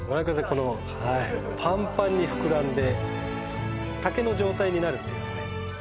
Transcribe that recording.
このはいパンパンに膨らんで竹の状態になるっていうですね